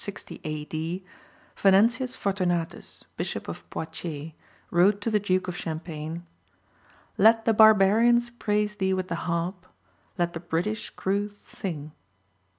Venantius Fortunatus, Bishop of Poitiers, wrote to the Duke of Champagne: _"Let the barbarians praise thee with the harp, Let the British crwth sing."